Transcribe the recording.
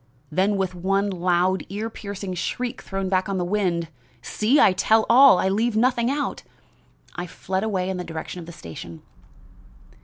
Then with one loud ear piercing shriek thrown back on the wind see! I tell all I leave out nothing I fled away in the direction of the station.